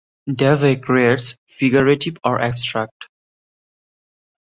Davey creates figurative or abstract.